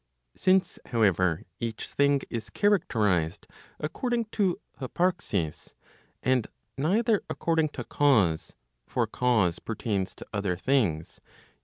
Since however, each thing is characterized according to hyparxis, and neither according to cause (for cause pertains to other things, i.